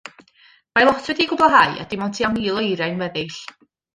Mae lot wedi'i gwblhau a dim ond tua mil o eiriau'n weddill.